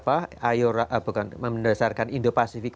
ayora bukan mendasarkan indo pasifik